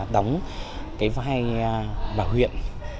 đóng cái vai bà huyện